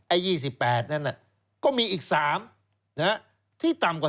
๒๘นั้นก็มีอีก๓ที่ต่ำกว่า